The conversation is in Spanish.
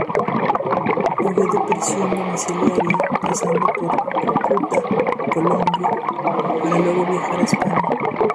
Huyó de prisión domiciliaria pasando por Cúcuta, Colombia, para luego viajar a España.